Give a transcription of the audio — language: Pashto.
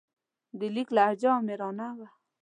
د لیک لهجه آمرانه وه.